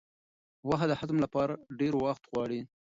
غوښه د هضم لپاره ډېر وخت غواړي.